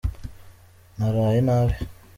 naraye nabi.